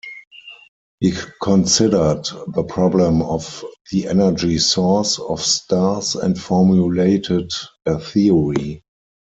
He considered the problem of the energy source of stars and formulated a theory.